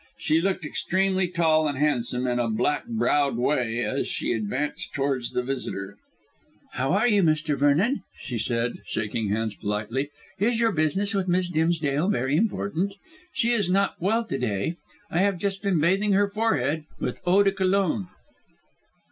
She looked extremely tall and handsome in a black browed way as she advanced towards the visitor. "How are you, Mr. Vernon," she said, shaking hands politely; "is your business with Miss Dimsdale very important? She is not well to day. I have just been bathing her forehead with eau de cologne."